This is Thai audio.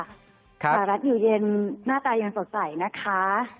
สหรัฐอยู่เย็นหน้าตายังสดใสนะคะ